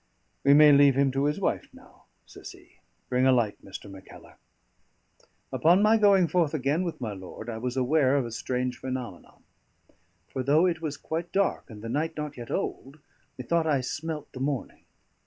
"We may leave him to his wife now," says he. "Bring a light, Mr. Mackellar." Upon my going forth again with my lord, I was aware of a strange phenomenon; for though it was quite dark, and the night not yet old, methought I smelt the morning.